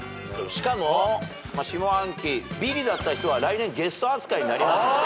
しかも下半期ビリだった人は来年ゲスト扱いになりますので。